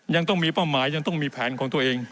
ยังต้องมีเป้าหมายยังต้องมีแผนของตัวเอง